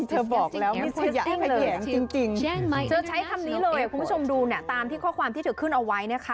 เธอใช้คำนี้เลยคุณผู้ชมดูเนี่ยตามที่ข้อความที่เธอขึ้นเอาไว้นะคะ